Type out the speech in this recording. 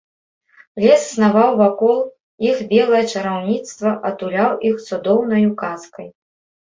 Лес снаваў вакол іх белае чараўніцтва, атуляў іх цудоўнаю казкай.